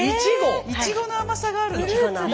イチゴの甘さがあるの？